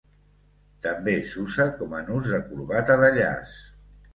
També s'usa com a nus de corbata de llaç.